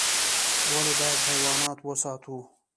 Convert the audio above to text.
ولي بايد حيوانات وساتو؟